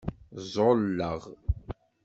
Ẓẓulleɣ.